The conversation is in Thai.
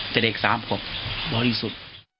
แต่เด็ก๓ขวบบ่อยดีสุด